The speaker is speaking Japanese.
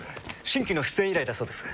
新規の出演依頼だそうです。